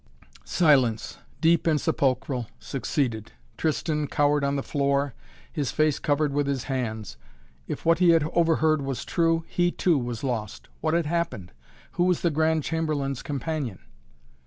Silence, deep and sepulchral, succeeded. Tristan cowered on the floor, his face covered with his hands. If what he had overheard was true, he, too, was lost. What had happened? Who was the Grand Chamberlain's companion?